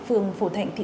phường phổ thạnh